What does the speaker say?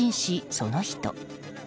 その人。